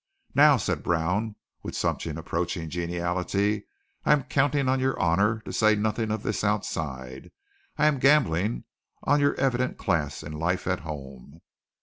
"Now," said Brown, with something approaching geniality, "I am counting on your honour to say nothing of this outside. I am gambling on your evident class in life at home."